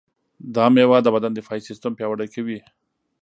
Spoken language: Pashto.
دا مېوه د بدن دفاعي سیستم پیاوړی کوي.